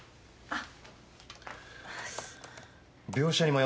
あっ。